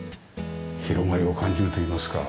広がりを感じるといいますか。